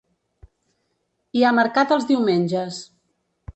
Hi ha mercat els diumenges.